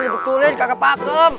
betulin kakak pakem